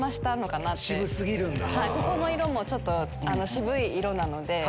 ここの色もちょっと渋い色なので。